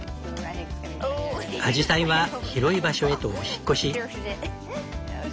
アジサイは広い場所へとお引っ越し。